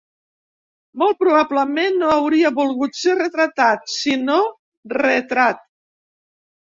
Molt probablement no hauria volgut ser retratat, sinó retrat.